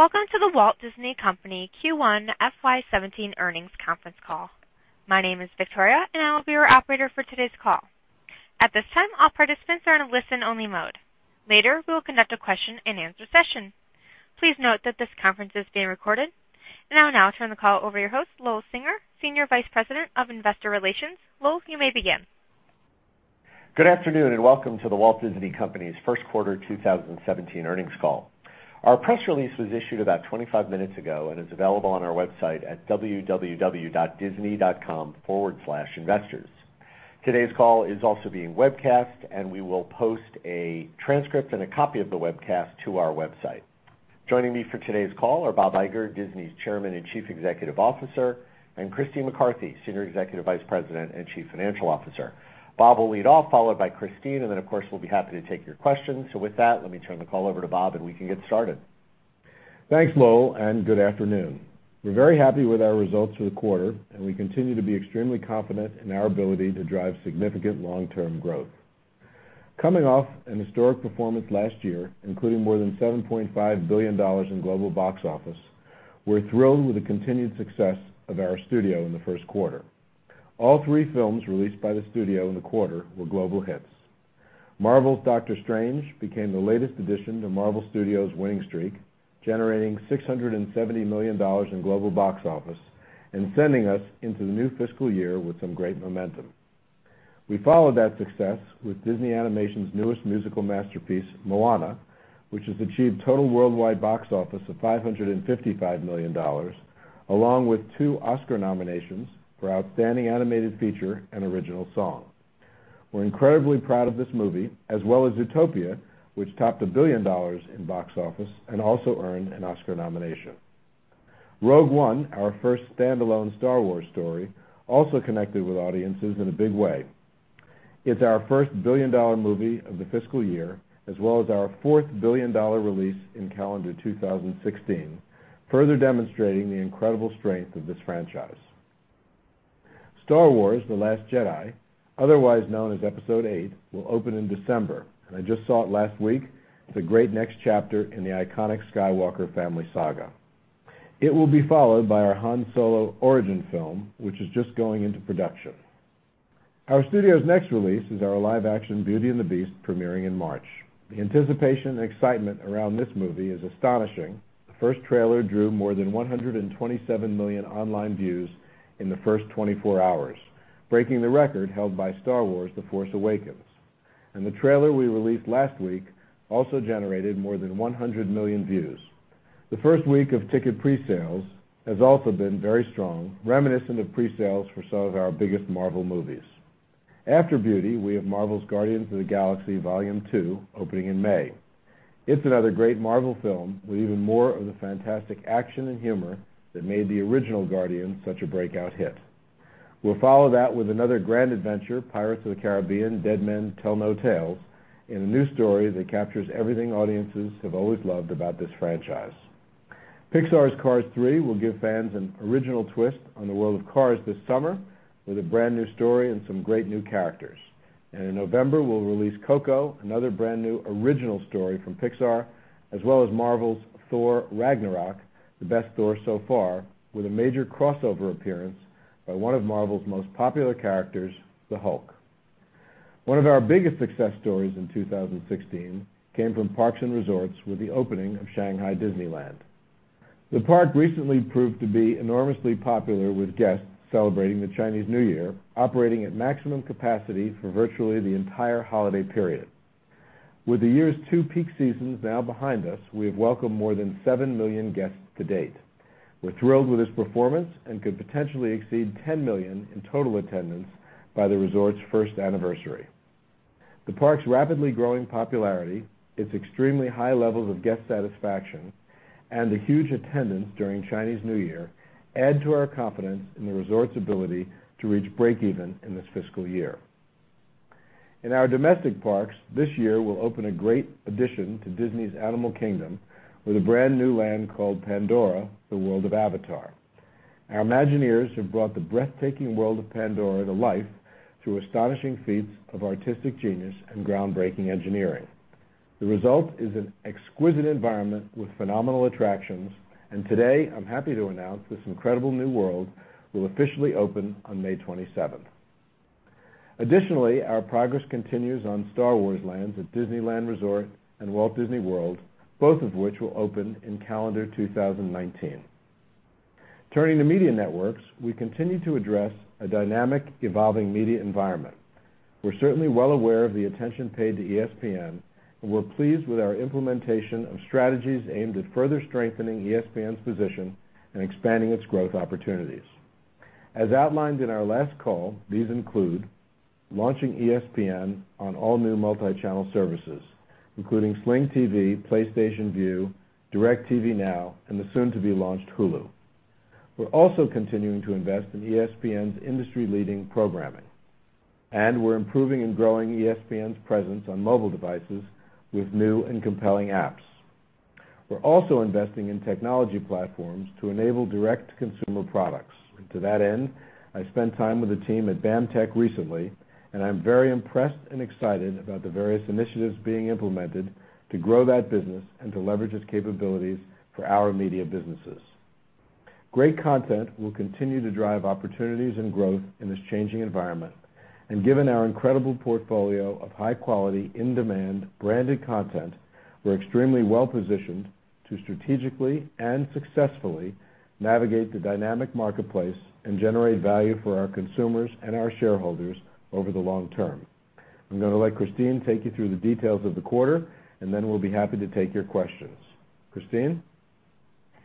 Welcome to The Walt Disney Company Q1 FY 2017 earnings conference call. My name is Victoria, I will be your operator for today's call. At this time, all participants are in a listen-only mode. Later, we will conduct a question-and-answer session. Please note that this conference is being recorded. I will now turn the call over to your host, Lowell Singer, Senior Vice President of Investor Relations. Lowell, you may begin. Good afternoon, welcome to The Walt Disney Company's first quarter 2017 earnings call. Our press release was issued about 25 minutes ago and is available on our website at www.disney.com/investors. Today's call is also being webcast, we will post a transcript and a copy of the webcast to our website. Joining me for today's call are Bob Iger, Disney's Chairman and Chief Executive Officer, and Christine McCarthy, Senior Executive Vice President and Chief Financial Officer. Bob will lead off, followed by Christine, of course, we'll be happy to take your questions. With that, let me turn the call over to Bob, we can get started. Thanks, Lowell, good afternoon. We're very happy with our results for the quarter, we continue to be extremely confident in our ability to drive significant long-term growth. Coming off an historic performance last year, including more than $7.5 billion in global box office, we're thrilled with the continued success of our studio in the first quarter. All three films released by the studio in the quarter were global hits. Marvel's "Doctor Strange" became the latest addition to Marvel Studios' winning streak, generating $670 million in global box office and sending us into the new fiscal year with some great momentum. We followed that success with Walt Disney Animation Studios' newest musical masterpiece, "Moana," which has achieved total worldwide box office of $555 million, along with two Oscar nominations for outstanding animated feature and original song. We're incredibly proud of this movie, as well as "Zootopia," which topped $1 billion in box office and also earned an Oscar nomination. "Rogue One," our first standalone Star Wars story, also connected with audiences in a big way. It's our first billion-dollar movie of the fiscal year, as well as our fourth billion-dollar release in calendar 2016, further demonstrating the incredible strength of this franchise. "Star Wars: The Last Jedi," otherwise known as "Episode VIII," will open in December. I just saw it last week. It's a great next chapter in the iconic Skywalker family saga. It will be followed by our Han Solo origin film, which is just going into production. Our studio's next release is our live-action "Beauty and the Beast" premiering in March. The anticipation and excitement around this movie is astonishing. The first trailer drew more than 127 million online views in the first 24 hours, breaking the record held by "Star Wars: The Force Awakens." The trailer we released last week also generated more than 100 million views. The first week of ticket pre-sales has also been very strong, reminiscent of pre-sales for some of our biggest Marvel movies. After Beauty, we have Marvel's "Guardians of the Galaxy Vol. 2" opening in May. It's another great Marvel film with even more of the fantastic action and humor that made the original Guardians such a breakout hit. We'll follow that with another grand adventure, "Pirates of the Caribbean: Dead Men Tell No Tales" in a new story that captures everything audiences have always loved about this franchise. Pixar's "Cars 3" will give fans an original twist on the world of Cars this summer with a brand-new story and some great new characters. In November, we'll release "Coco," another brand-new original story from Pixar, as well as Marvel's "Thor: Ragnarok," the best Thor so far, with a major crossover appearance by one of Marvel's most popular characters, the Hulk. One of our biggest success stories in 2016 came from Parks and Resorts with the opening of Shanghai Disneyland. The park recently proved to be enormously popular with guests celebrating the Chinese New Year, operating at maximum capacity for virtually the entire holiday period. With the year's two peak seasons now behind us, we have welcomed more than 7 million guests to date. We're thrilled with this performance and could potentially exceed 10 million in total attendance by the resort's first anniversary. The park's rapidly growing popularity, its extremely high levels of guest satisfaction, and the huge attendance during Chinese New Year add to our confidence in the resort's ability to reach break even in this fiscal year. In our domestic parks this year, we'll open a great addition to Disney's Animal Kingdom with a brand-new land called Pandora – The World of Avatar. Our Imagineers have brought the breathtaking world of Pandora to life through astonishing feats of artistic genius and groundbreaking engineering. The result is an exquisite environment with phenomenal attractions, and today I'm happy to announce this incredible new world will officially open on May 27th. Additionally, our progress continues on Star Wars Lands at Disneyland Resort and Walt Disney World, both of which will open in calendar 2019. Turning to media networks, we continue to address a dynamic, evolving media environment. We're certainly well aware of the attention paid to ESPN, and we're pleased with our implementation of strategies aimed at further strengthening ESPN's position and expanding its growth opportunities. As outlined in our last call, these include launching ESPN on all new multi-channel services, including Sling TV, PlayStation Vue, DirecTV Now, and the soon-to-be-launched Hulu. We're also continuing to invest in ESPN's industry-leading programming, and we're improving and growing ESPN's presence on mobile devices with new and compelling apps. We're also investing in technology platforms to enable direct-to-consumer products. To that end, I spent time with the team at BAMTech recently, and I'm very impressed and excited about the various initiatives being implemented to grow that business and to leverage its capabilities for our media businesses. Great content will continue to drive opportunities and growth in this changing environment. Given our incredible portfolio of high-quality, in-demand, branded content, we're extremely well-positioned to strategically and successfully navigate the dynamic marketplace and generate value for our consumers and our shareholders over the long term. I'm going to let Christine take you through the details of the quarter, then we'll be happy to take your questions. Christine?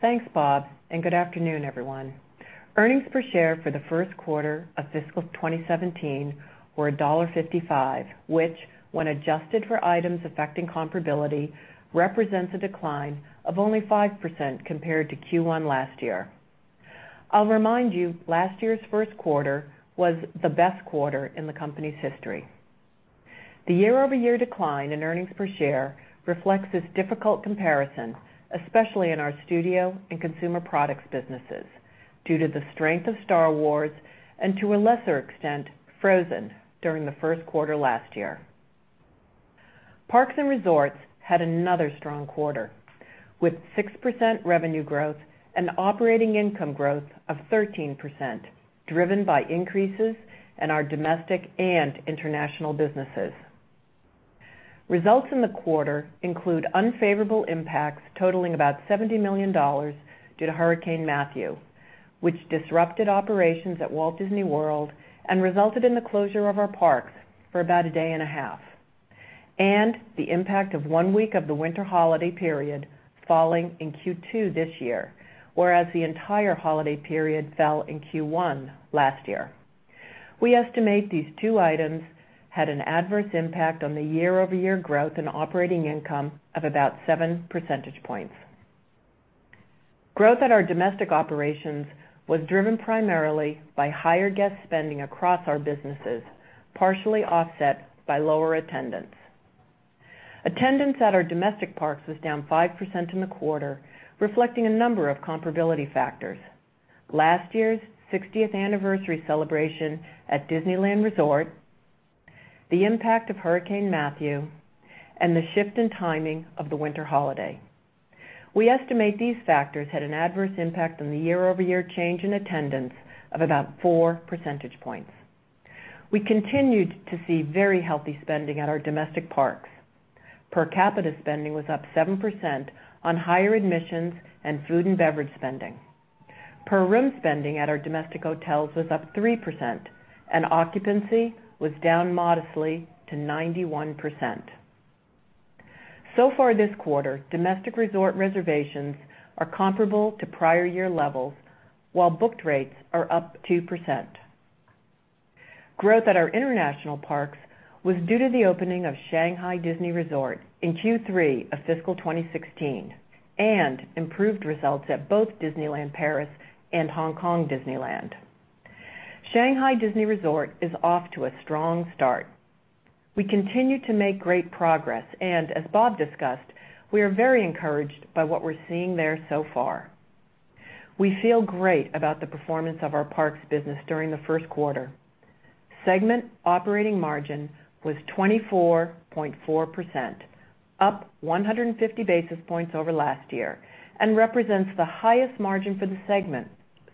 Thanks, Bob, good afternoon, everyone. Earnings per share for the first quarter of fiscal 2017 were $1.55, which, when adjusted for items affecting comparability, represents a decline of only 5% compared to Q1 last year. I'll remind you, last year's first quarter was the best quarter in the company's history. The year-over-year decline in earnings per share reflects this difficult comparison, especially in our studio and consumer products businesses due to the strength of Star Wars and, to a lesser extent, Frozen during the first quarter last year. Parks and Resorts had another strong quarter, with 6% revenue growth and operating income growth of 13%, driven by increases in our domestic and international businesses. Results in the quarter include unfavorable impacts totaling about $70 million due to Hurricane Matthew, which disrupted operations at Walt Disney World and resulted in the closure of our parks for about a day and a half. The impact of one week of the winter holiday period falling in Q2 this year, whereas the entire holiday period fell in Q1 last year. We estimate these two items had an adverse impact on the year-over-year growth and operating income of about seven percentage points. Growth at our domestic operations was driven primarily by higher guest spending across our businesses, partially offset by lower attendance. Attendance at our domestic parks was down 5% in the quarter, reflecting a number of comparability factors: last year's 60th anniversary celebration at Disneyland Resort, the impact of Hurricane Matthew, and the shift in timing of the winter holiday. We estimate these factors had an adverse impact on the year-over-year change in attendance of about four percentage points. We continued to see very healthy spending at our domestic parks. Per capita spending was up 7% on higher admissions in food and beverage spending. Per-room spending at our domestic hotels was up 3%, occupancy was down modestly to 91%. So far this quarter, domestic resort reservations are comparable to prior year levels, while booked rates are up 2%. Growth at our international parks was due to the opening of Shanghai Disney Resort in Q3 of fiscal 2016 and improved results at both Disneyland Paris and Hong Kong Disneyland. Shanghai Disney Resort is off to a strong start. We continue to make great progress, as Bob discussed, we are very encouraged by what we're seeing there so far. We feel great about the performance of our parks business during the first quarter. Segment operating margin was 24.4%, up 150 basis points over last year and represents the highest margin for the segment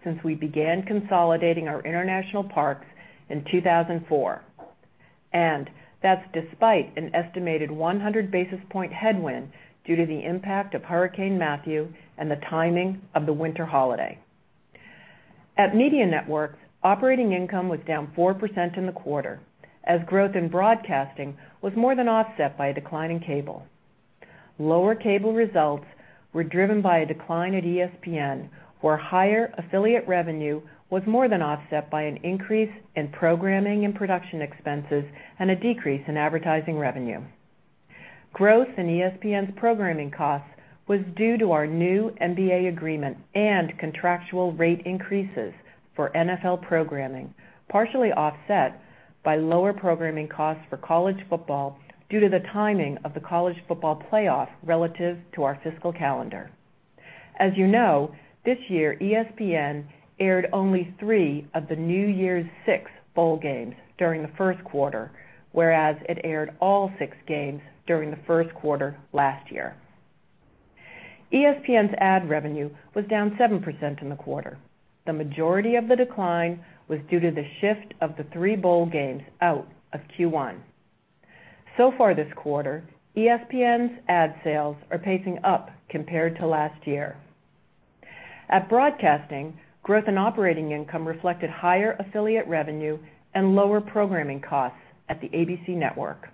since we began consolidating our international parks in 2004. That's despite an estimated 100-basis-point headwind due to the impact of Hurricane Matthew and the timing of the winter holiday. At Media Networks, operating income was down 4% in the quarter as growth in broadcasting was more than offset by a decline in cable. Lower cable results were driven by a decline at ESPN, where higher affiliate revenue was more than offset by an increase in programming and production expenses and a decrease in advertising revenue. Growth in ESPN's programming costs was due to our new NBA agreement and contractual rate increases for NFL programming, partially offset by lower programming costs for college football due to the timing of the college football playoff relative to our fiscal calendar. As you know, this year, ESPN aired only three of the New Year's Six bowl games during the first quarter, whereas it aired all six games during the first quarter last year. ESPN's ad revenue was down 7% in the quarter. The majority of the decline was due to the shift of the three bowl games out of Q1. So far this quarter, ESPN's ad sales are pacing up compared to last year. At broadcasting, growth and operating income reflected higher affiliate revenue and lower programming costs at the ABC Network.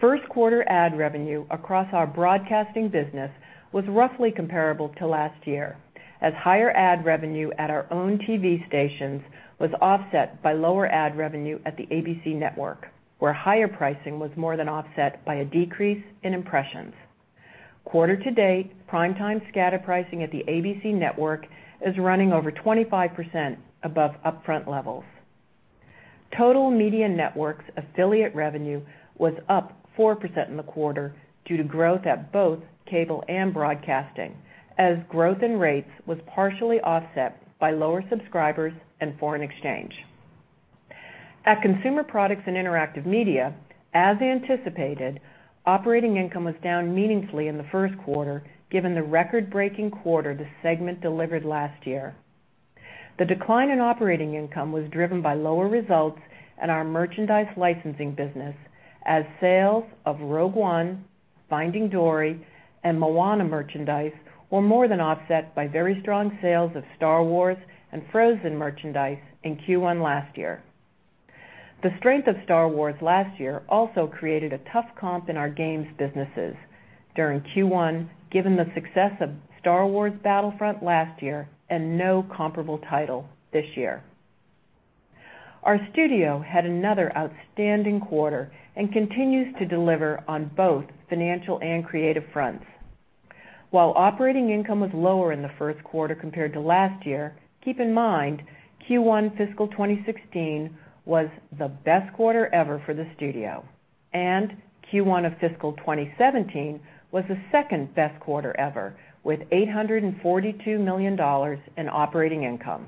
First quarter ad revenue across our broadcasting business was roughly comparable to last year, as higher ad revenue at our own TV stations was offset by lower ad revenue at the ABC Network, where higher pricing was more than offset by a decrease in impressions. Quarter to date, prime time scatter pricing at the ABC Network is running over 25% above upfront levels. Total Media Networks affiliate revenue was up 4% in the quarter due to growth at both cable and broadcasting, as growth in rates was partially offset by lower subscribers and foreign exchange. At Consumer Products and Interactive Media, as anticipated, operating income was down meaningfully in the first quarter, given the record-breaking quarter the segment delivered last year. The decline in operating income was driven by lower results in our merchandise licensing business as sales of Rogue One, Finding Dory, and Moana merchandise were more than offset by very strong sales of Star Wars and Frozen merchandise in Q1 last year. The strength of Star Wars last year also created a tough comp in our games businesses during Q1, given the success of Star Wars Battlefront last year and no comparable title this year. Our studio had another outstanding quarter and continues to deliver on both financial and creative fronts. While operating income was lower in the first quarter compared to last year, keep in mind Q1 FY 2016 was the best quarter ever for the studio, and Q1 of FY 2017 was the second-best quarter ever, with $842 million in operating income.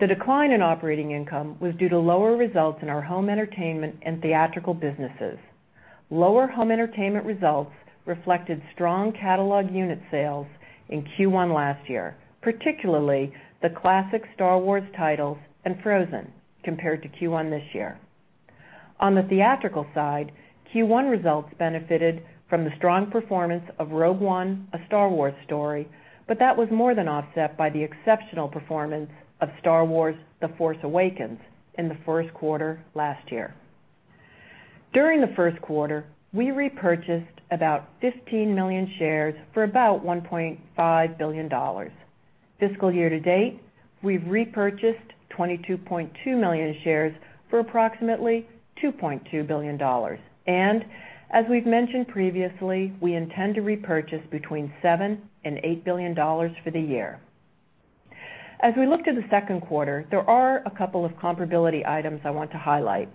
The decline in operating income was due to lower results in our home entertainment and theatrical businesses. Lower home entertainment results reflected strong catalog unit sales in Q1 last year, particularly the classic Star Wars titles and Frozen compared to Q1 this year. On the theatrical side, Q1 results benefited from the strong performance of Rogue One: A Star Wars Story, but that was more than offset by the exceptional performance of Star Wars: The Force Awakens in the first quarter last year. During the first quarter, we repurchased about 15 million shares for about $1.5 billion. Fiscal year to date, we've repurchased 22.2 million shares for approximately $2.2 billion. As we've mentioned previously, we intend to repurchase between $7 billion and $8 billion for the year. As we look to the second quarter, there are a couple of comparability items I want to highlight.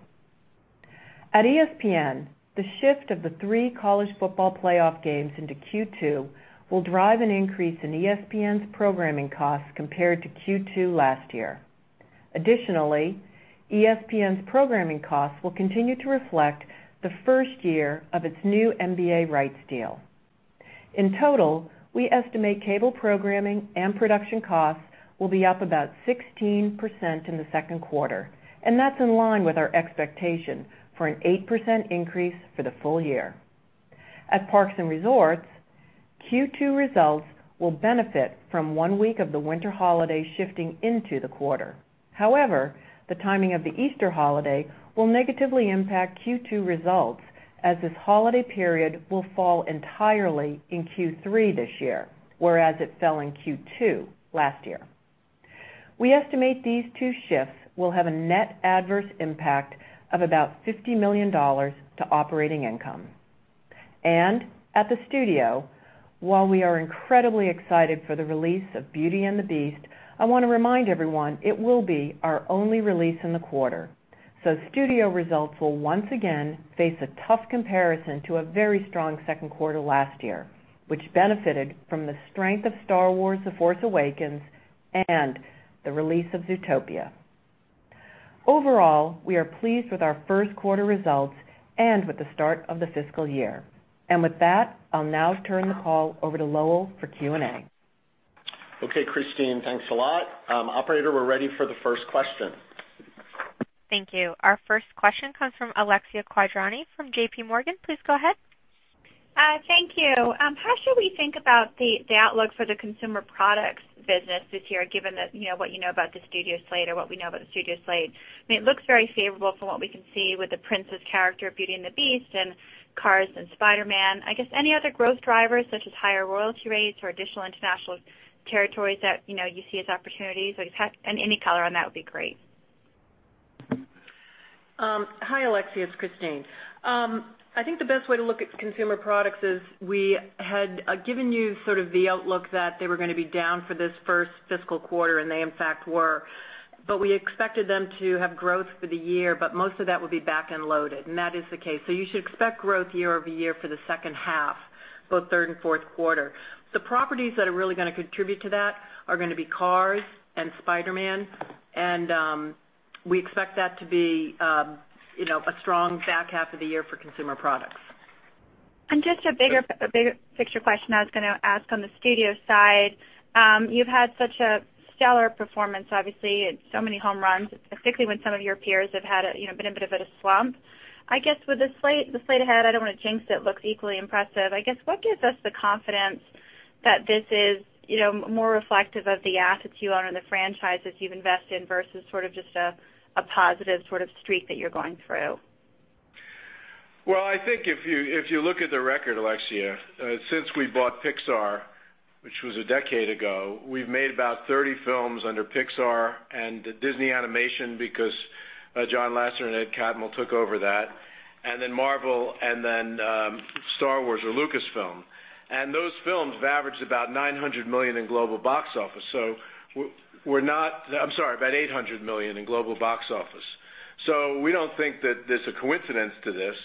At ESPN, the shift of the three college football playoff games into Q2 will drive an increase in ESPN's programming costs compared to Q2 last year. Additionally, ESPN's programming costs will continue to reflect the first year of its new NBA rights deal. In total, we estimate cable programming and production costs will be up about 16% in the second quarter. That's in line with our expectation for an 8% increase for the full year. At Parks and Resorts, Q2 results will benefit from one week of the winter holiday shifting into the quarter. However, the timing of the Easter holiday will negatively impact Q2 results, as this holiday period will fall entirely in Q3 this year, whereas it fell in Q2 last year. We estimate these two shifts will have a net adverse impact of about $50 million to operating income. At the studio, while we are incredibly excited for the release of Beauty and the Beast, I want to remind everyone it will be our only release in the quarter. Studio results will once again face a tough comparison to a very strong second quarter last year, which benefited from the strength of Star Wars: The Force Awakens and the release of Zootopia. Overall, we are pleased with our first quarter results and with the start of the fiscal year. With that, I'll now turn the call over to Lowell for Q&A. Okay, Christine, thanks a lot. Operator, we're ready for the first question. Thank you. Our first question comes from Alexia Quadrani from JPMorgan. Please go ahead. Thank you. How should we think about the outlook for the Consumer Products business this year, given what you know about the studio slate or what we know about the studio slate? It looks very favorable from what we can see with the princess characters of Beauty and the Beast and Cars and Spider-Man. I guess any other growth drivers, such as higher royalty rates or additional international territories that you see as opportunities? Any color on that would be great. Hi, Alexia, it's Christine. I think the best way to look at Consumer Products is we had given you the outlook that they were going to be down for this first fiscal quarter, and they in fact were, but we expected them to have growth for the year, but most of that would be back-end loaded, and that is the case. You should expect growth year-over-year for the second half, both third and fourth quarter. The properties that are really going to contribute to that are going to be Cars and Spider-Man, and we expect that to be a strong back half of the year for Consumer Products. Just a bigger picture question I was going to ask on the studio side. You've had such a stellar performance, obviously, and so many home runs, particularly when some of your peers have been in a bit of a slump. With the slate ahead, I don't want to jinx it, looks equally impressive. What gives us the confidence that this is more reflective of the assets you own and the franchises you've invested in versus just a positive streak that you're going through? Well, I think if you look at the record, Alexia, since we bought Pixar which was a decade ago. We've made about 30 films under Pixar and Disney Animation because John Lasseter and Ed Catmull took over that, then Marvel, then Star Wars or Lucasfilm. Those films have averaged about $900 million in global box office. I'm sorry, about $800 million in global box office. We don't think that there's a coincidence to this.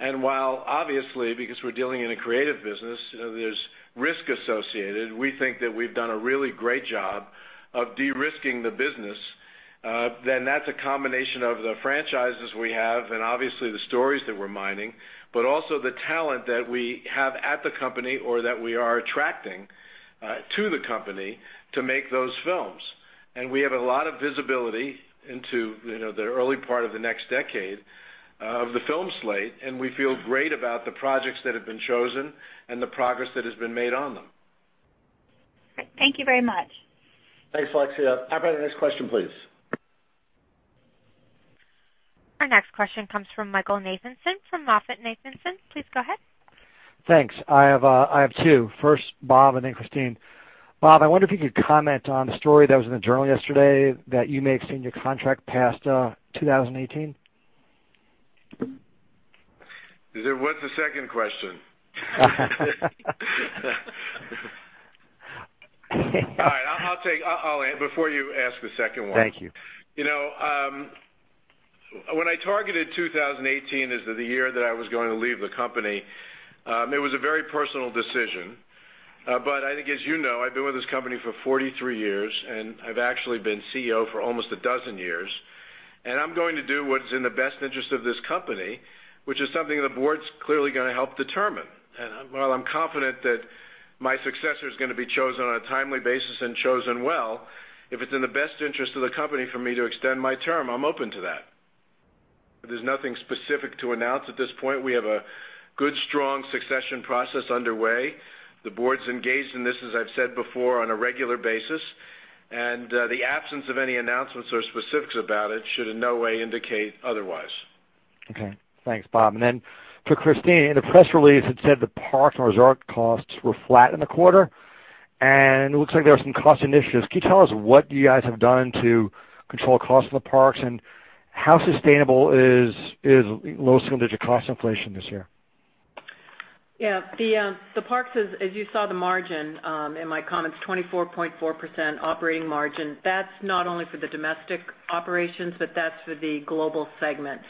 While obviously because we're dealing in a creative business, there's risk associated, we think that we've done a really great job of de-risking the business, then that's a combination of the franchises we have and obviously the stories that we're mining, but also the talent that we have at the company or that we are attracting to the company to make those films. We have a lot of visibility into the early part of the next decade of the film slate, and we feel great about the projects that have been chosen and the progress that has been made on them. Great. Thank you very much. Thanks, Alexia. Operator, next question, please. Our next question comes from Michael Nathanson from MoffettNathanson. Please go ahead. Thanks. I have two. First Bob and then Christine. Bob, I wonder if you could comment on the story that was in the journal yesterday that you may extend your contract past 2018? What's the second question? All right. Before you ask the second one. Thank you. When I targeted 2018 as the year that I was going to leave the company, it was a very personal decision. I think as you know, I've been with this company for 43 years, and I've actually been CEO for almost a dozen years. I'm going to do what's in the best interest of this company, which is something the board's clearly going to help determine. While I'm confident that my successor is going to be chosen on a timely basis and chosen well, if it's in the best interest of the company for me to extend my term, I'm open to that. There's nothing specific to announce at this point. We have a good, strong succession process underway. The board's engaged in this, as I've said before, on a regular basis. The absence of any announcements or specifics about it should in no way indicate otherwise. Okay. Thanks, Bob. Then for Christine, in the press release, it said the Parks and Resort costs were flat in the quarter, and it looks like there are some cost initiatives. Can you tell us what you guys have done to control costs in the parks and how sustainable is low single-digit cost inflation this year? Yeah. The Parks is, as you saw the margin in my comments, 24.4% operating margin. That's not only for the domestic operations, but that's for the global segment.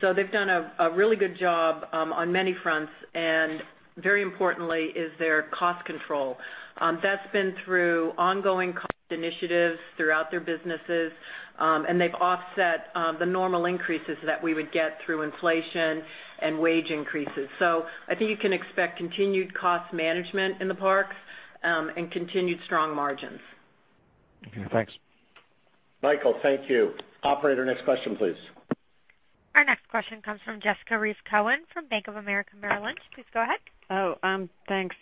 They've done a really good job on many fronts and very importantly is their cost control. That's been through ongoing cost initiatives throughout their businesses, and they've offset the normal increases that we would get through inflation and wage increases. I think you can expect continued cost management in the Parks, and continued strong margins. Okay, thanks. Michael, thank you. Operator, next question, please. Our next question comes from Jessica Reif Cohen from Bank of America Merrill Lynch. Please go ahead. Oh, thanks.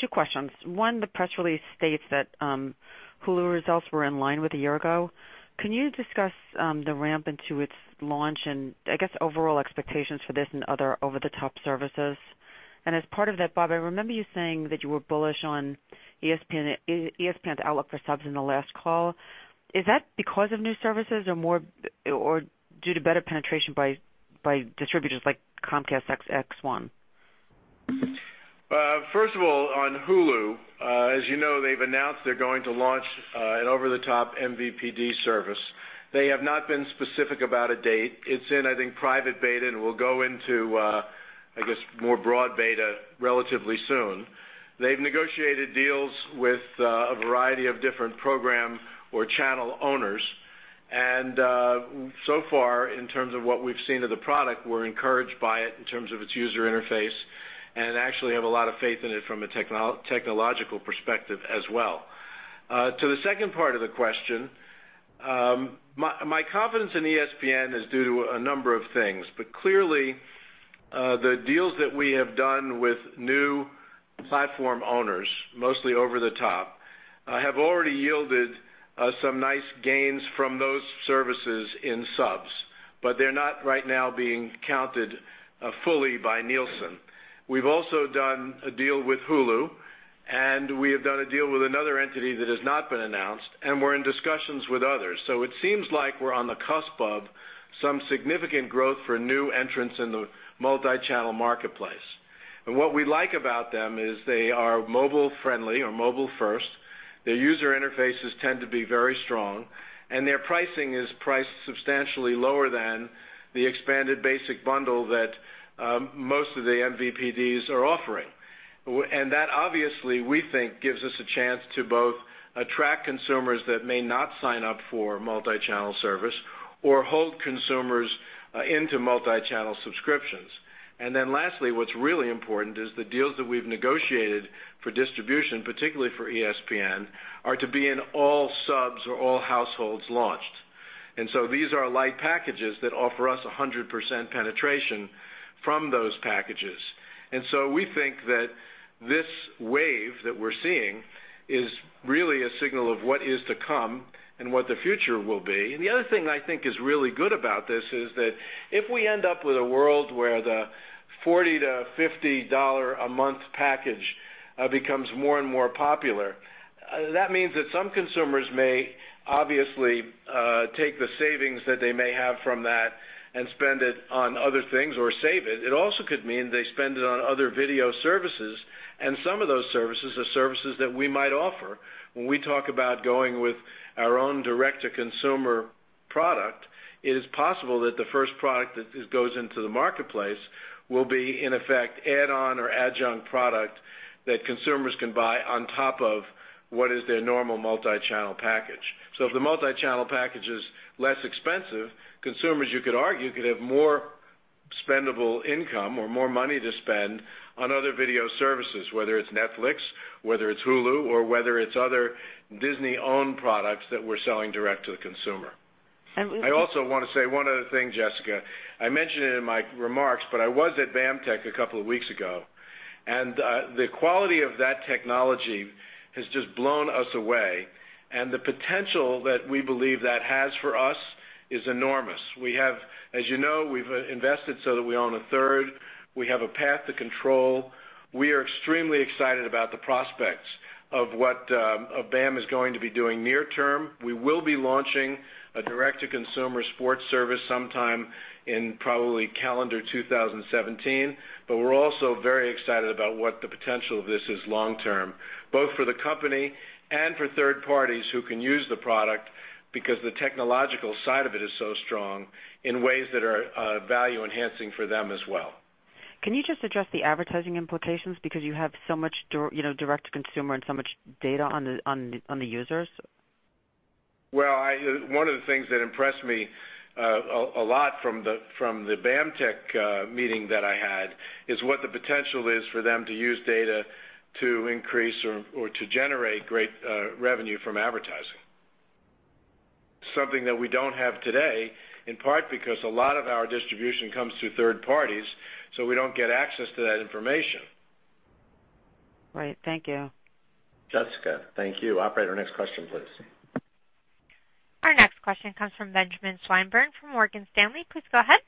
Two questions. One, the press release states that Hulu results were in line with a year ago. Can you discuss the ramp into its launch and I guess overall expectations for this and other over-the-top services? As part of that, Bob, I remember you saying that you were bullish on ESPN's outlook for subs in the last call. Is that because of new services or due to better penetration by distributors like Comcast X1? First of all, on Hulu, as you know they've announced they're going to launch an over-the-top MVPD service. They have not been specific about a date. It's in, I think, private beta and will go into, I guess, more broad beta relatively soon. They've negotiated deals with a variety of different program or channel owners and so far in terms of what we've seen of the product, we're encouraged by it in terms of its user interface and actually have a lot of faith in it from a technological perspective as well. To the second part of the question, my confidence in ESPN is due to a number of things. Clearly, the deals that we have done with new platform owners, mostly over the top, have already yielded some nice gains from those services in subs. They're not right now being counted fully by Nielsen. We've also done a deal with Hulu and we have done a deal with another entity that has not been announced, and we're in discussions with others. It seems like we're on the cusp of some significant growth for new entrants in the multi-channel marketplace. What we like about them is they are mobile friendly or mobile first. Their user interfaces tend to be very strong and their pricing is priced substantially lower than the expanded basic bundle that most of the MVPDs are offering. That obviously we think gives us a chance to both attract consumers that may not sign up for multi-channel service or hold consumers into multi-channel subscriptions. Lastly, what's really important is the deals that we've negotiated for distribution, particularly for ESPN, are to be in all subs or all households launched. These are light packages that offer us 100% penetration from those packages. We think that this wave that we're seeing is really a signal of what is to come and what the future will be. The other thing I think is really good about this is that if we end up with a world where the $40-$50 a month package becomes more and more popular. That means that some consumers may obviously take the savings that they may have from that and spend it on other things or save it. It also could mean they spend it on other video services, and some of those services are services that we might offer. When we talk about going with our own direct-to-consumer product, it is possible that the first product that goes into the marketplace will be, in effect, add-on or adjunct product that consumers can buy on top of what is their normal multi-channel package. If the multi-channel package is less expensive, consumers, you could argue, could have more spendable income or more money to spend on other video services, whether it's Netflix, whether it's Hulu, or whether it's other Disney-owned products that we're selling direct to the consumer. I also want to say one other thing, Jessica. I mentioned it in my remarks, I was at BAMTech a couple of weeks ago, and the quality of that technology has just blown us away, and the potential that we believe that has for us is enormous. As you know, we've invested so that we own a third. We have a path to control. We are extremely excited about the prospects of what BAM is going to be doing near term. We will be launching a direct-to-consumer sports service sometime in probably calendar 2017. We're also very excited about what the potential of this is long term, both for the company and for third parties who can use the product because the technological side of it is so strong in ways that are value-enhancing for them as well. Can you just address the advertising implications because you have so much direct to consumer and so much data on the users? Well, one of the things that impressed me a lot from the BAMTech meeting that I had is what the potential is for them to use data to increase or to generate great revenue from advertising. Something that we don't have today, in part because a lot of our distribution comes through third parties, so we don't get access to that information. Right. Thank you. Jessica, thank you. Operator, next question, please. Our next question comes from Benjamin Swinburne from Morgan Stanley. Please go ahead.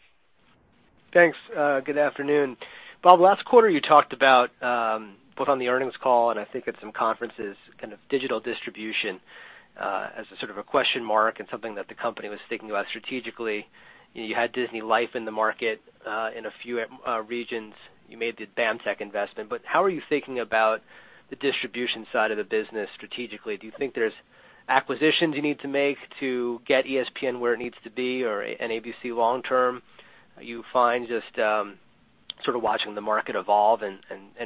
Thanks. Good afternoon. Bob, last quarter, you talked about, both on the earnings call and I think at some conferences, kind of digital distribution as a sort of a question mark and something that the company was thinking about strategically. You had DisneyLife in the market in a few regions. You made the BAMTech investment. How are you thinking about the distribution side of the business strategically? Do you think there's acquisitions you need to make to get ESPN where it needs to be or an ABC long term? You find just sort of watching the market evolve and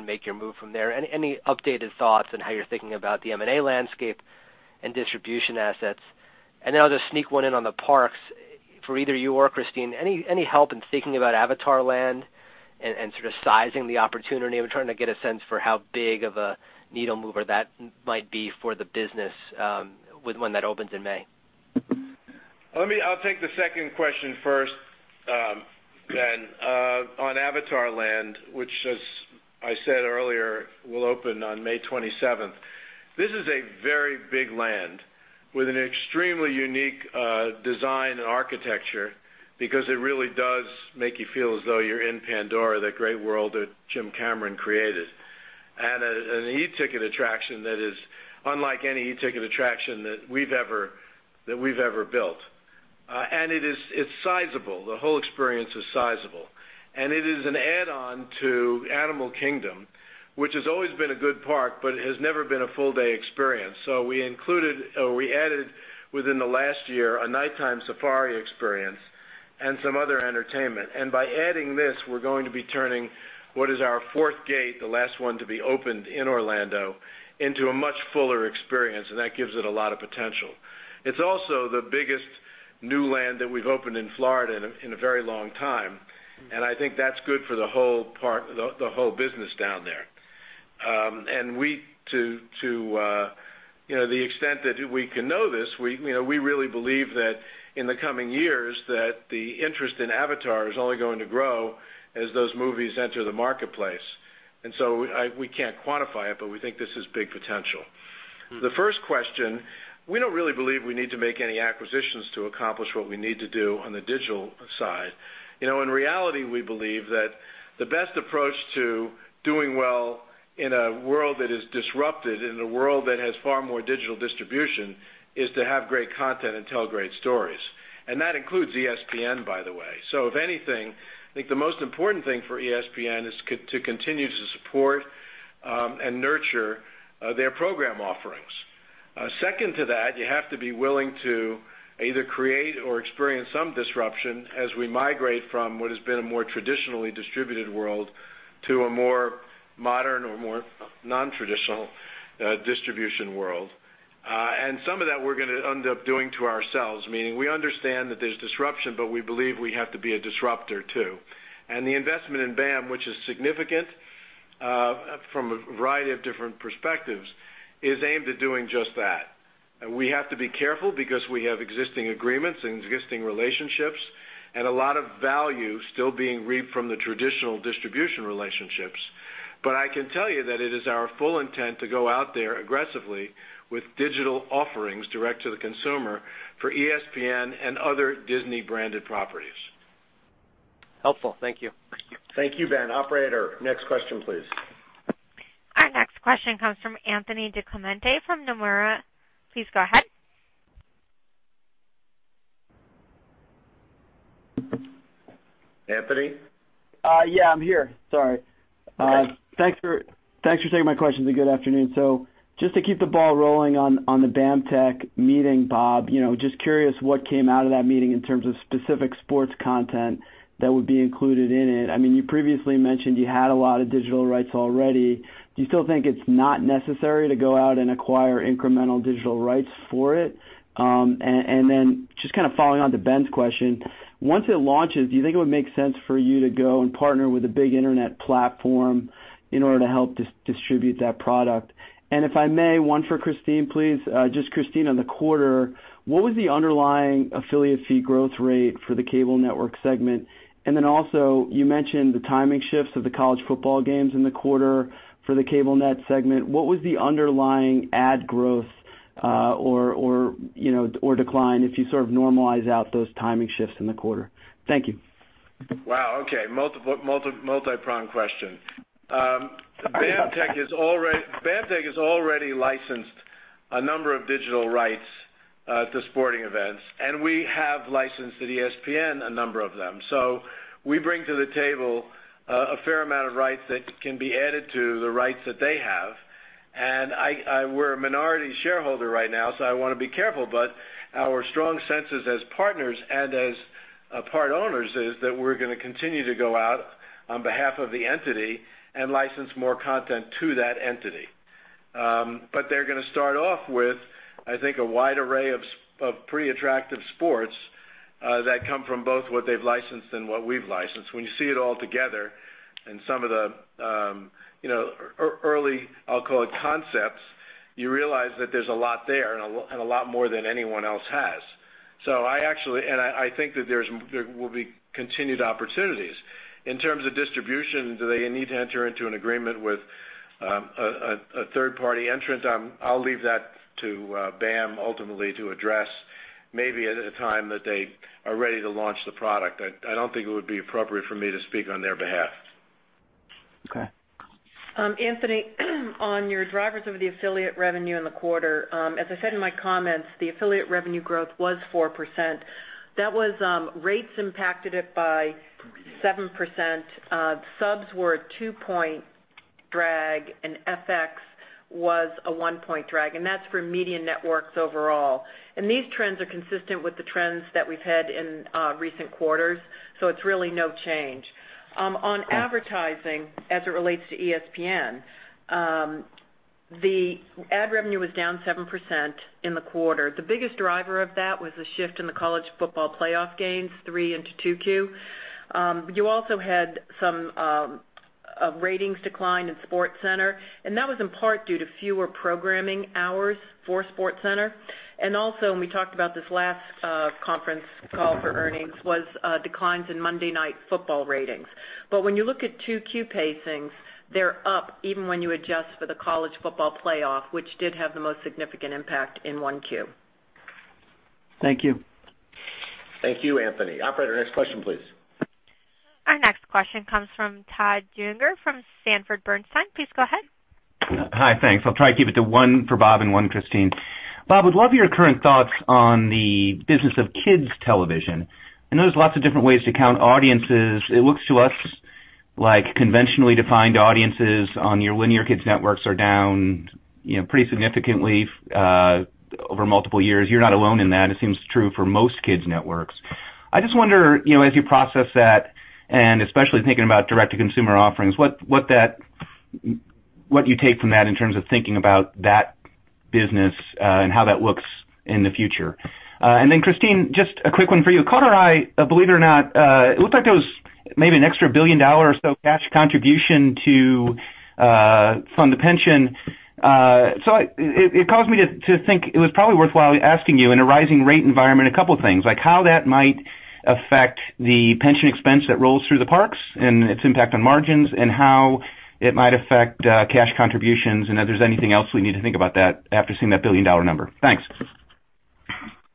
make your move from there? Any updated thoughts on how you're thinking about the M&A landscape and distribution assets? Then I'll just sneak one in on the parks for either you or Christine. Any help in thinking about Avatar Land and sort of sizing the opportunity? I'm trying to get a sense for how big of a needle mover that might be for the business when that opens in May. I'll take the second question first, Ben, on Avatar Land, which, as I said earlier, will open on May 27th. This is a very big land with an extremely unique design and architecture because it really does make you feel as though you're in Pandora, the great world that James Cameron created. An e-ticket attraction that is unlike any e-ticket attraction that we've ever built. It's sizable. The whole experience is sizable. It is an add-on to Animal Kingdom, which has always been a good park, but it has never been a full-day experience. We added within the last year, a nighttime safari experience and some other entertainment. By adding this, we're going to be turning what is our fourth gate, the last one to be opened in Orlando, into a much fuller experience, and that gives it a lot of potential. It's also the biggest new land that we've opened in Florida in a very long time, and I think that's good for the whole business down there. To the extent that we can know this, we really believe that in the coming years that the interest in Avatar is only going to grow as those movies enter the marketplace. We can't quantify it, but we think this has big potential. The first question, we don't really believe we need to make any acquisitions to accomplish what we need to do on the digital side. In reality, we believe that the best approach to doing well in a world that is disrupted, in a world that has far more digital distribution, is to have great content and tell great stories. That includes ESPN, by the way. If anything, I think the most important thing for ESPN is to continue to support and nurture their program offerings. Second to that, you have to be willing to either create or experience some disruption as we migrate from what has been a more traditionally distributed world to a more modern or more non-traditional distribution world. Some of that we're going to end up doing to ourselves, meaning we understand that there's disruption, but we believe we have to be a disruptor, too. The investment in BAMTech, which is significant from a variety of different perspectives, is aimed at doing just that. We have to be careful because we have existing agreements and existing relationships and a lot of value still being reaped from the traditional distribution relationships. I can tell you that it is our full intent to go out there aggressively with digital offerings direct to the consumer for ESPN and other Disney-branded properties. Helpful. Thank you. Thank you, Ben. Operator, next question, please. Our next question comes from Anthony DiClemente from Nomura. Please go ahead. Anthony? Yeah, I'm here. Sorry. Okay. Thanks for taking my questions and good afternoon. Just to keep the ball rolling on the BAMTech meeting, Bob, just curious what came out of that meeting in terms of specific sports content that would be included in it. You previously mentioned you had a lot of digital rights already. Do you still think it's not necessary to go out and acquire incremental digital rights for it? And then just following on to Ben's question, once it launches, do you think it would make sense for you to go and partner with a big internet platform in order to help distribute that product? And if I may, one for Christine, please. Just Christine, on the quarter, what was the underlying affiliate fee growth rate for the cable network segment? Also, you mentioned the timing shifts of the college football games in the quarter for the cable net segment. What was the underlying ad growth or decline if you normalize out those timing shifts in the quarter? Thank you. Wow, okay. Multi-pronged question. BAMTech has already licensed a number of digital rights to sporting events, we have licensed to ESPN a number of them. We bring to the table a fair amount of rights that can be added to the rights that they have. We're a minority shareholder right now, so I want to be careful, but our strong sense is as partners and as part owners is that we're going to continue to go out on behalf of the entity and license more content to that entity. They're going to start off with, I think, a wide array of pretty attractive sports that come from both what they've licensed and what we've licensed. When you see it all together and some of the early, I'll call it concepts, you realize that there's a lot there and a lot more than anyone else has. I think that there will be continued opportunities. In terms of distribution, do they need to enter into an agreement with a third-party entrant? I'll leave that to BAMTech ultimately to address maybe at a time that they are ready to launch the product. I don't think it would be appropriate for me to speak on their behalf. Okay. Anthony, on your drivers of the affiliate revenue in the quarter, as I said in my comments, the affiliate revenue growth was 4%. That was rates impacted it by 7%, subs were a two-point drag, and FX was a one-point drag, and that's for media networks overall. These trends are consistent with the trends that we've had in recent quarters, so it's really no change. On advertising as it relates to ESPN, the ad revenue was down 7% in the quarter. The biggest driver of that was the shift in the college football playoff games three into 2Q. You also had some ratings decline in SportsCenter, and that was in part due to fewer programming hours for SportsCenter. Also, when we talked about this last conference call for earnings was declines in Monday Night Football ratings. When you look at 2Q pacings, they're up even when you adjust for the college football playoff, which did have the most significant impact in 1Q. Thank you. Thank you, Anthony. Operator, next question, please. Our next question comes from Todd Juenger from Sanford Bernstein. Please go ahead. Hi, thanks. I'll try to keep it to one for Bob and one Christine. Bob, would love your current thoughts on the business of kids television. I know there's lots of different ways to count audiences. It looks to us like conventionally defined audiences on your linear kids networks are down pretty significantly over multiple years. You're not alone in that. It seems true for most kids networks. I just wonder, as you process that and especially thinking about direct-to-consumer offerings, what you take from that in terms of thinking about that business and how that looks in the future. Then Christine, just a quick one for you. Caught our eye, believe it or not, it looked like there was maybe an extra $1 billion or so cash contribution to fund the pension. It caused me to think it was probably worthwhile asking you in a rising rate environment, a couple of things, like how that might affect the pension expense that rolls through the parks and its impact on margins, and how it might affect cash contributions and if there's anything else we need to think about that after seeing that $1 billion number. Thanks.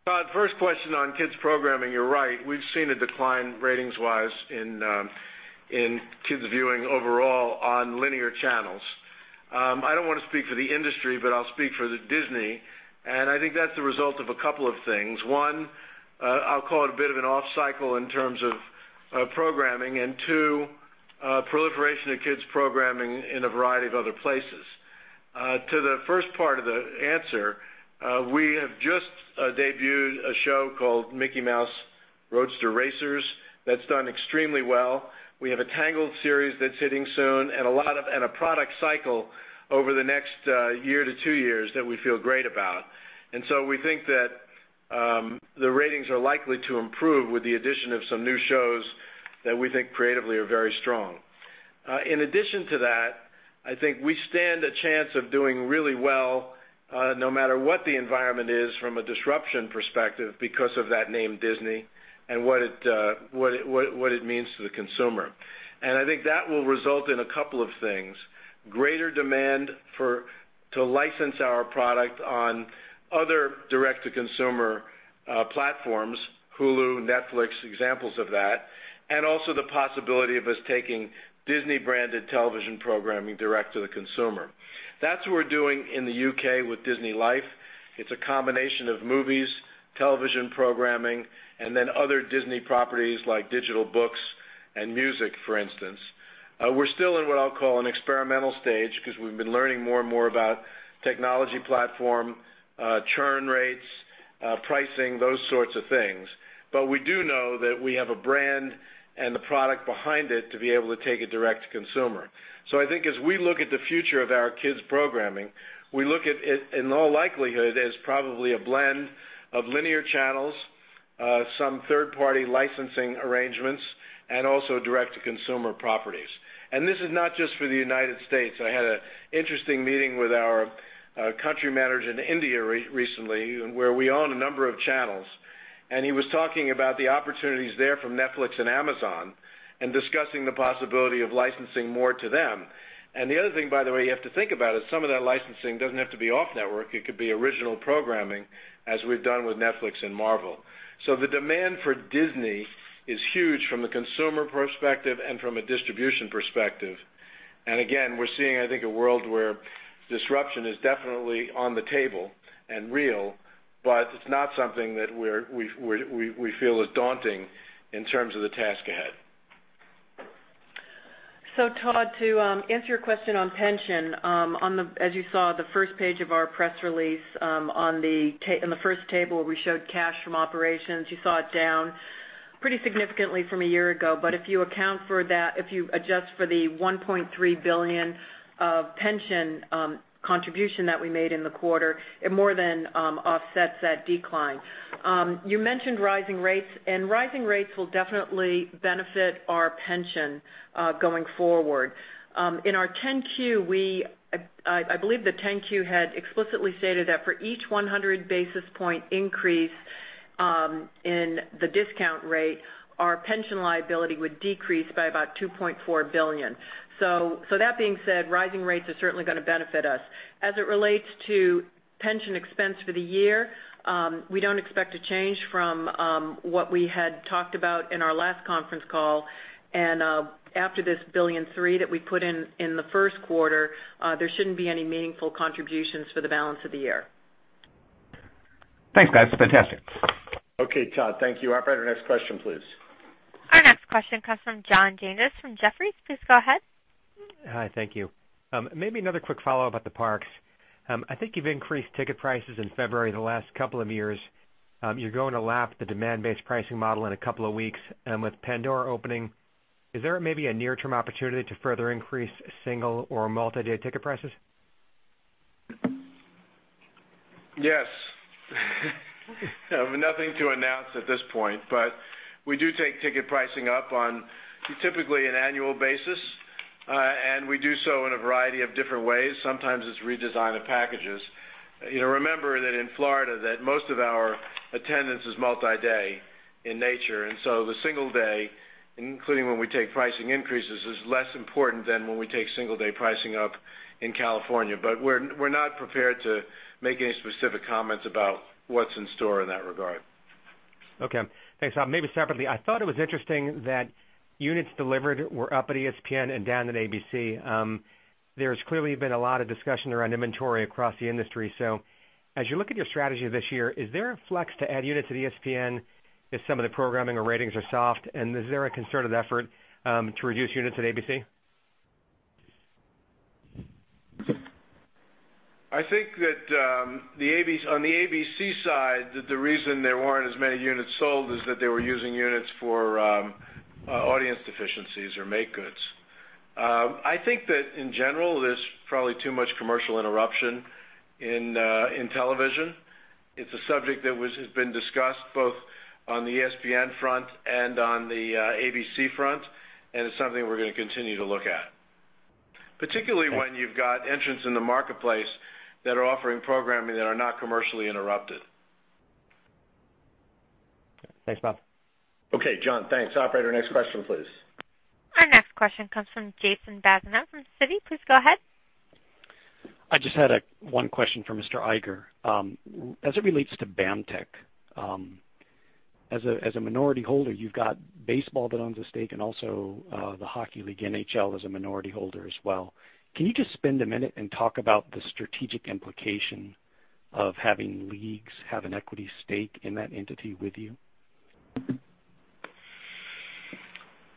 Todd, first question on kids programming. You're right, we've seen a decline ratings-wise in kids viewing overall on linear channels. I don't want to speak for the industry, but I'll speak for the Disney, and I think that's the result of a couple of things. One, I'll call it a bit of an off cycle in terms of programming, and two, proliferation of kids programming in a variety of other places. To the first part of the answer, we have just debuted a show called "Mickey Mouse Roadster Racers" that's done extremely well. We have a Tangled series that's hitting soon and a product cycle over the next year to two years that we feel great about. We think that the ratings are likely to improve with the addition of some new shows that we think creatively are very strong. In addition to that, I think we stand a chance of doing really well no matter what the environment is from a disruption perspective because of that name, Disney, and what it means to the consumer. I think that will result in a couple of things, greater demand to license our product on other direct-to-consumer platforms, Hulu, Netflix, examples of that, and also the possibility of us taking Disney-branded television programming direct to the consumer. That's what we're doing in the U.K. with DisneyLife. It's a combination of movies, television programming, and then other Disney properties like digital books and music, for instance. We're still in what I'll call an experimental stage because we've been learning more and more about technology platform, churn rates, pricing, those sorts of things. We do know that we have a brand and the product behind it to be able to take it direct to consumer. I think as we look at the future of our kids' programming, we look at it, in all likelihood, as probably a blend of linear channels, some third-party licensing arrangements, and also direct-to-consumer properties. This is not just for the United States. I had an interesting meeting with our country manager in India recently, where we own a number of channels, and he was talking about the opportunities there from Netflix and Amazon and discussing the possibility of licensing more to them. The other thing, by the way, you have to think about is some of that licensing doesn't have to be off network. It could be original programming, as we've done with Netflix and Marvel. The demand for Disney is huge from the consumer perspective and from a distribution perspective. Again, we're seeing, I think, a world where disruption is definitely on the table and real, but it's not something that we feel is daunting in terms of the task ahead. Todd Juenger, to answer your question on pension, as you saw, the first page of our press release in the first table, we showed cash from operations. You saw it down pretty significantly from a year ago. If you adjust for the $1.3 billion of pension contribution that we made in the quarter, it more than offsets that decline. You mentioned rising rates, rising rates will definitely benefit our pension going forward. In our 10-Q, I believe the 10-Q had explicitly stated that for each 100 basis point increase in the discount rate, our pension liability would decrease by about $2.4 billion. That being said, rising rates are certainly going to benefit us. As it relates to pension expense for the year, we don't expect a change from what we had talked about in our last conference call. After this $3 billion that we put in the first quarter, there shouldn't be any meaningful contributions for the balance of the year. Thanks, guys. Fantastic. Todd Juenger. Thank you. Operator, next question, please. Our next question comes from John Janedis from Jefferies. Please go ahead. Hi, thank you. Maybe another quick follow-up at the parks. I think you've increased ticket prices in February the last couple of years. You're going to lap the demand-based pricing model in a couple of weeks. With Pandora opening, is there maybe a near-term opportunity to further increase single or multi-day ticket prices? Yes. Nothing to announce at this point, but we do take ticket pricing up on typically an annual basis. We do so in a variety of different ways. Sometimes it's redesign of packages. Remember that in Florida that most of our attendance is multi-day in nature, the single day, including when we take pricing increases, is less important than when we take single-day pricing up in California. We're not prepared to make any specific comments about what's in store in that regard. Okay. Thanks, Bob. Maybe separately, I thought it was interesting that units delivered were up at ESPN and down at ABC. There's clearly been a lot of discussion around inventory across the industry. As you look at your strategy this year, is there a flex to add units at ESPN if some of the programming or ratings are soft? Is there a concerted effort to reduce units at ABC? I think that on the ABC side, the reason there weren't as many units sold is that they were using units for audience deficiencies or make goods. I think that in general, there's probably too much commercial interruption in television. It's a subject that has been discussed both on the ESPN front and on the ABC front, and it's something we're going to continue to look at. Particularly when you've got entrants in the marketplace that are offering programming that are not commercially interrupted. Thanks, Bob. Okay, John, thanks. Operator, next question, please. Our next question comes from Jason Bazinet from Citi. Please go ahead. I just had one question for Mr. Iger. As it relates to BAMTech, as a minority holder, you've got baseball that owns a stake and also the hockey league, NHL, as a minority holder as well. Can you just spend a minute and talk about the strategic implication of having leagues have an equity stake in that entity with you?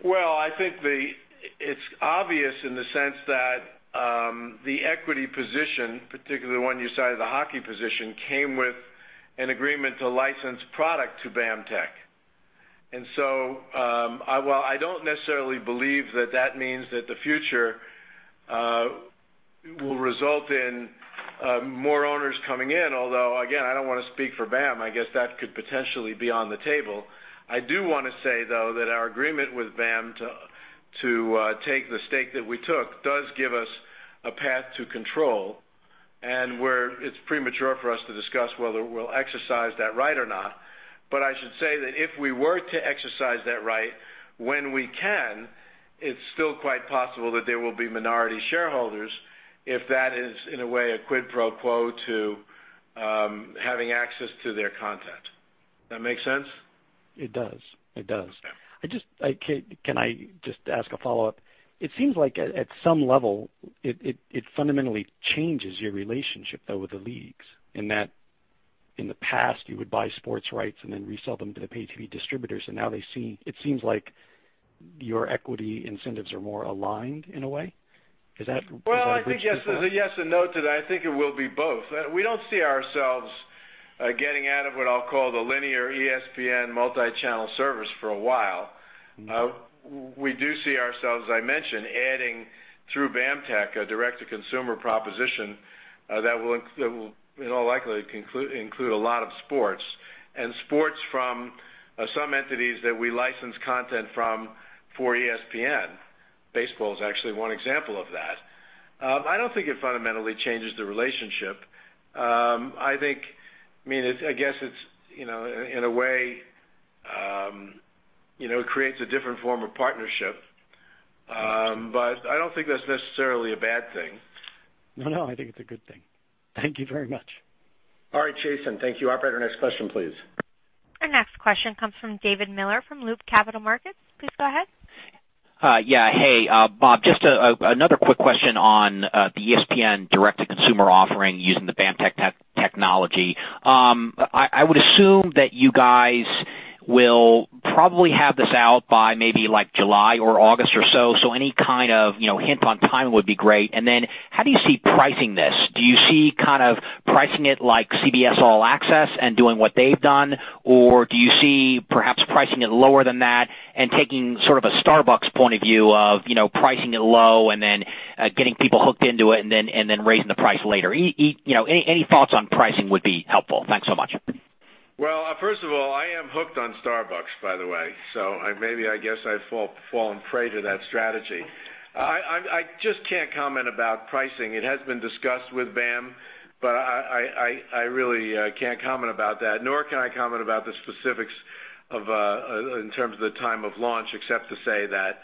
Well, I think it's obvious in the sense that the equity position, particularly the one you cited, the hockey position, came with an agreement to license product to BAMTech. While I don't necessarily believe that means that the future will result in more owners coming in, although, again, I don't want to speak for BAMTech, I guess that could potentially be on the table. I do want to say, though, that our agreement with BAMTech to take the stake that we took does give us a path to control It's premature for us to discuss whether we'll exercise that right or not. I should say that if we were to exercise that right when we can, it's still quite possible that there will be minority shareholders if that is, in a way, a quid pro quo to having access to their content. That make sense? It does. Okay. Can I just ask a follow-up? It seems like at some level, it fundamentally changes your relationship, though, with the leagues, in that in the past, you would buy sports rights and then resell them to the pay TV distributors, and now it seems like your equity incentives are more aligned in a way. Is that a bridge too far? Well, I think yes and no to that. I think it will be both. We don't see ourselves getting out of what I'll call the linear ESPN multi-channel service for a while. We do see ourselves, as I mentioned, adding, through BAMTech, a direct-to-consumer proposition that will in all likelihood include a lot of sports. And sports from some entities that we license content from for ESPN. Baseball is actually one example of that. I don't think it fundamentally changes the relationship. I guess it's, in a way, it creates a different form of partnership. I don't think that's necessarily a bad thing. No, I think it's a good thing. Thank you very much. All right, Jason, thank you. Operator, next question, please. Our next question comes from David Miller from Loop Capital Markets. Please go ahead. Yeah. Hey, Bob, just another quick question on the ESPN direct-to-consumer offering using the BAMTech technology. I would assume that you guys will probably have this out by maybe July or August or so any kind of hint on timing would be great. Then how do you see pricing this? Do you see pricing it like CBS All Access and doing what they've done, or do you see perhaps pricing it lower than that and taking sort of a Starbucks point of view of pricing it low and then getting people hooked into it and then raising the price later? Any thoughts on pricing would be helpful. Thanks so much. Well, first of all, I am hooked on Starbucks, by the way, so maybe I guess I've fallen prey to that strategy. I just can't comment about pricing. It has been discussed with BAMTech, I really can't comment about that, nor can I comment about the specifics in terms of the time of launch, except to say that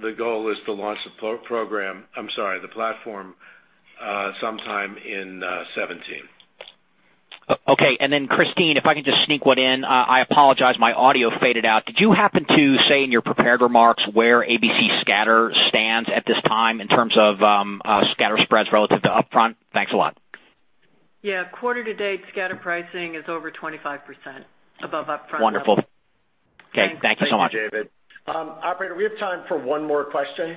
the goal is to launch the platform sometime in 2017. Okay. Then Christine, if I can just sneak one in. I apologize, my audio faded out. Did you happen to say in your prepared remarks where ABC scatter stands at this time in terms of scatter spreads relative to upfront? Thanks a lot. Yeah. Quarter to date, scatter pricing is over 25% above upfront. Wonderful. Okay. Thank you so much. Thank you, David. Operator, we have time for one more question.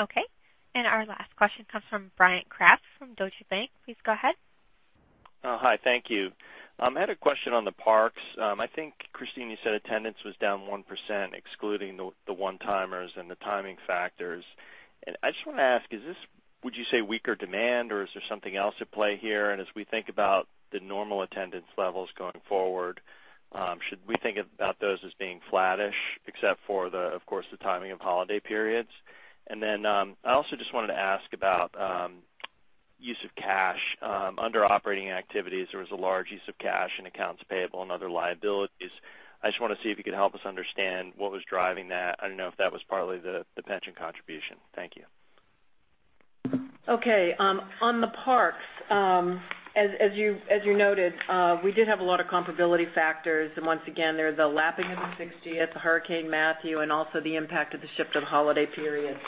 Okay. Our last question comes from Bryan Kraft from Deutsche Bank. Please go ahead. Hi, thank you. I had a question on the parks. I think, Christine, you said attendance was down 1%, excluding the one-timers and the timing factors. I just want to ask, is this, would you say, weaker demand, or is there something else at play here? As we think about the normal attendance levels going forward, should we think about those as being flattish except for, of course, the timing of holiday periods? I also just wanted to ask about use of cash. Under operating activities, there was a large use of cash in accounts payable and other liabilities. I just want to see if you could help us understand what was driving that. I don't know if that was partly the pension contribution. Thank you. Okay. On the parks, as you noted, we did have a lot of comparability factors, once again, there's the lapping of the 60th, the Hurricane Matthew, and also the impact of the shift of holiday periods.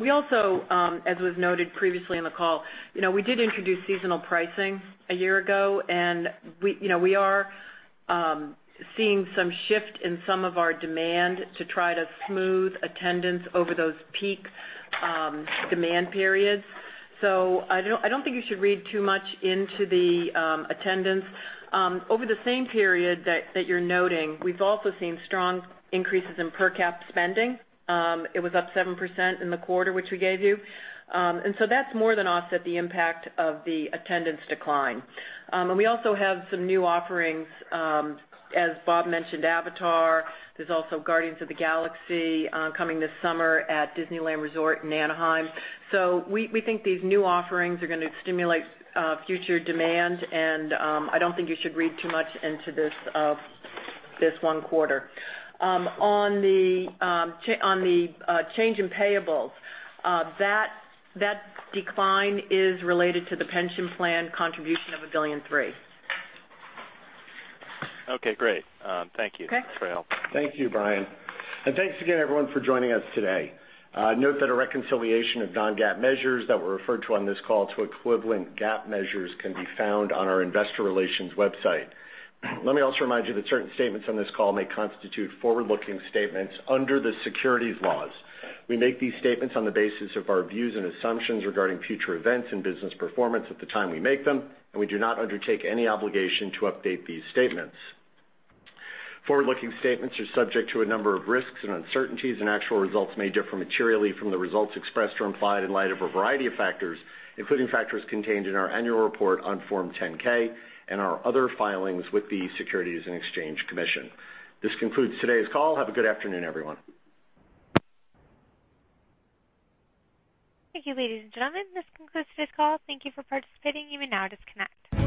We also, as was noted previously in the call, we did introduce seasonal pricing a year ago, we are seeing some shift in some of our demand to try to smooth attendance over those peak demand periods. I don't think you should read too much into the attendance. Over the same period that you're noting, we've also seen strong increases in per capita spending. It was up 7% in the quarter, which we gave you. That's more than offset the impact of the attendance decline. We also have some new offerings. As Bob mentioned, Avatar. There's also Guardians of the Galaxy coming this summer at Disneyland Resort in Anaheim. We think these new offerings are going to stimulate future demand, and I don't think you should read too much into this one quarter. On the change in payables, that decline is related to the pension plan contribution of $1.3 billion. Okay, great. Thank you. Okay. That's very helpful. Thank you, Bryan. Thanks again, everyone, for joining us today. Note that a reconciliation of non-GAAP measures that were referred to on this call to equivalent GAAP measures can be found on our investor relations website. Let me also remind you that certain statements on this call may constitute forward-looking statements under the securities laws. We make these statements on the basis of our views and assumptions regarding future events and business performance at the time we make them, and we do not undertake any obligation to update these statements. Forward-looking statements are subject to a number of risks and uncertainties, and actual results may differ materially from the results expressed or implied in light of a variety of factors, including factors contained in our annual report on Form 10-K and our other filings with the Securities and Exchange Commission. This concludes today's call. Have a good afternoon, everyone. Thank you, ladies and gentlemen. This concludes today's call. Thank you for participating. You may now disconnect.